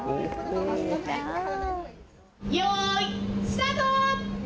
よーい、スタート？